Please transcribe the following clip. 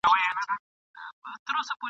خریدار یې همېشه تر حساب تیر وي ..